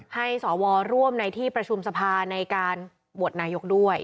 ให้สวร่วมในที่ประชุมสภาในการโหวตนายกด้วย